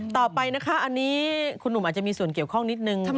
ต่อไปนะคะอันนี้คุณหนุ่มอาจจะมีส่วนเกี่ยวข้องนิดนึง